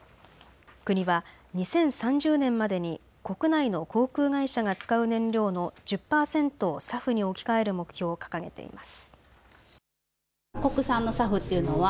国は２０３０年までに国内の航空会社が使う燃料の１０％をＳＡＦに置き換える目標を掲げています。